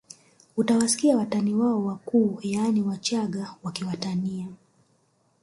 Utawasikia watani wao wakuu yaani Wachaga wakiwatania